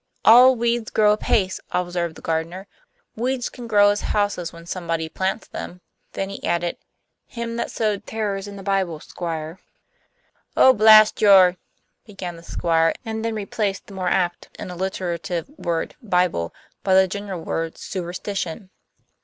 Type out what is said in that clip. "Ill weeds grow apace," observed the gardener. "Weeds can grow as houses when somebody plants them." Then he added: "Him that sowed tares in the Bible, Squire." "Oh, blast your " began the Squire, and then replaced the more apt and alliterative word "Bible" by the general word "superstition."